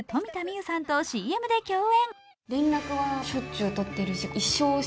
生さんとＣＭで競演。